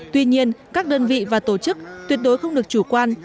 tuy nhiên các đơn vị và tổ chức tuyệt đối không được chủ quan